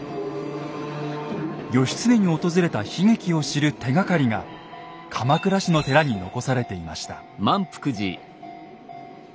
義経に訪れた悲劇を知る手がかりが鎌倉市の寺に残されていました。